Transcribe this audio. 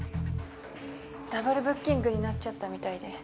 ダブルブッキングになっちゃったみたいで。